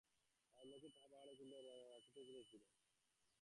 রাজলক্ষ্মী তাহা ভাঁড়ারে তুলিয়া রাখিতে উপদেশ দিলেন।